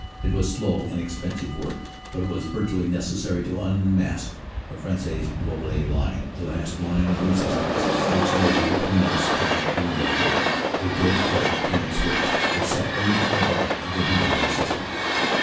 It was slow and expensive work, but it was vitally necessary to unmask the Fresnes Rouvroy line, the last line of resistance which lay between us and our immediate goal, the Drocourt Queant Switch, itself an integral part of the Hindenburg system.